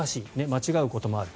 間違うこともある。